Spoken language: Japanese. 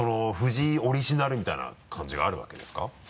藤井オリジナルみたいな感じがあるわけですか？